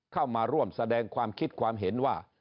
เข้ามาร่วมแสดงความคิดความเห็นว่า